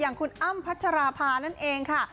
อย่างคุณอ้ำพัชระพานั่นเองค่ะ